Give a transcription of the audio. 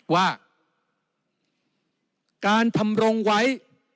ว่าการทำรงไว้